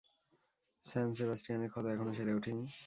স্যান সেবাস্টিয়ানের ক্ষত এখনো সেরে ওঠেনি?